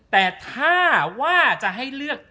แต่ถ้าว่าจะให้เลือก